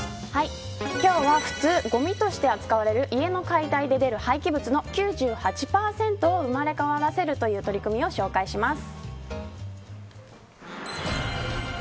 今日は普通ごみとして扱われる家の家庭で出る廃棄物の９８％が生まれ変わるという取り組みを紹介します。